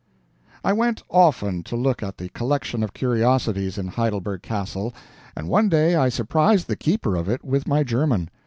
I went often to look at the collection of curiosities in Heidelberg Castle, and one day I surprised the keeper of it with my German.